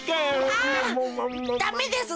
あダメです！